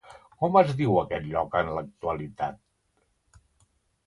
Com es diu aquest lloc en l'actualitat?